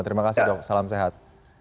terima kasih dok salam sehat